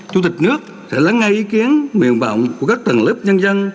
chủ tịch nước sẽ lắng ngay ý kiến nguyện vọng của các tầng lớp nhân dân